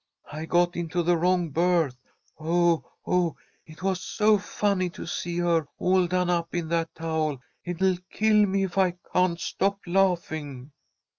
I got into the wrong berth. Oh! oh! It was so funny to see her, all done up in that towel. It'll kill me if I can't stop laughing."